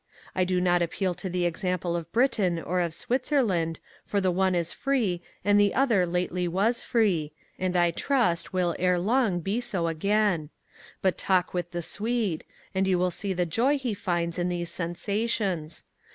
I do not appeal to the example of Britain or of Switzerland, for the one is free, and the other lately was free (and, I trust, will ere long be so again): but talk with the Swede; and you will see the joy he finds in these sensations.